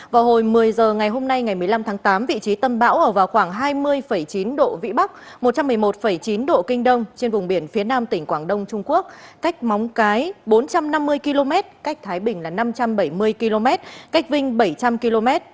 vào hồi một mươi h ngày hôm nay ngày một mươi năm tháng tám vị trí tâm bão ở vào khoảng hai mươi chín độ vĩ bắc một trăm một mươi một chín độ kinh đông trên vùng biển phía nam tỉnh quảng đông trung quốc cách móng cái bốn trăm năm mươi km cách thái bình là năm trăm bảy mươi km cách vinh bảy trăm linh km